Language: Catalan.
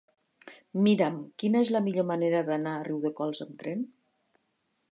Mira'm quina és la millor manera d'anar a Riudecols amb tren.